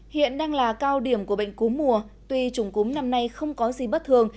hiện đang là cao điểm của bệnh cú mùa tuy trùng cúm năm nay không có gì bất thường